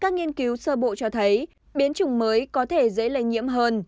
các nghiên cứu sơ bộ cho thấy biến chủng mới có thể dễ lây nhiễm hơn